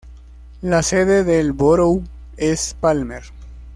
La sede del borough es Palmer.